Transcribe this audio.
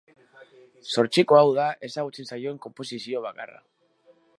Zortziko hau da ezagutzen zaion konposizio bakarra.